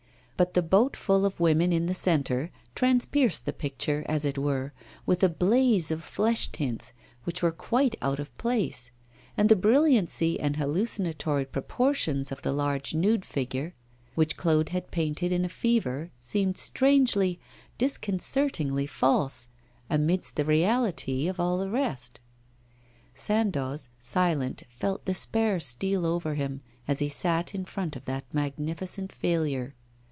But the boat full of women in the centre transpierced the picture, as it were, with a blaze of flesh tints which were quite out of place; and the brilliancy and hallucinatory proportions of the large nude figure which Claude had painted in a fever seemed strangely, disconcertingly false amidst the reality of all the rest. Sandoz, silent, fell despair steal over him as he sat in front of that magnificent failure.